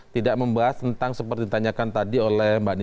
tidak membahas tentang seperti ditanyakan tadi oleh mbak nini